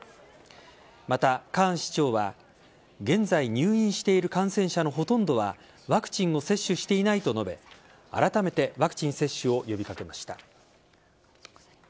また、カーン市長は現在入院している感染者のほとんどはワクチンを接種していないと述べあらためてワクチン接種を呼び掛けました。